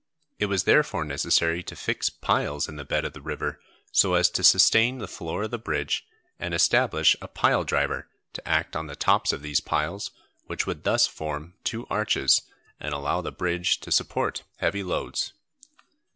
It was therefore necessary to fix piles in the bed of the river so as to sustain the floor of the bridge and establish a pile driver to act on the tops of these piles, which would thus form two arches and allow the bridge to support heavy loads.